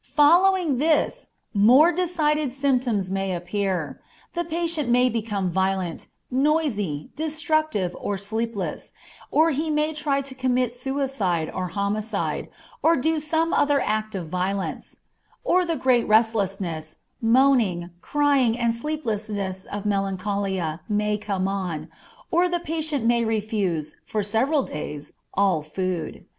Following this, more decided symptoms may appear; the patient may become violent, noisy, destructive, or sleepless, or he may try to commit suicide or homicide, or do some other act of violence; or the great restlessness, moaning, crying, and sleeplessness of melancholia may come on, or the patient may refuse, for several days, all food.